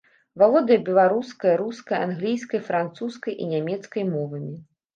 Валодае беларускай, рускай, англійскай, французскай і нямецкай мовамі.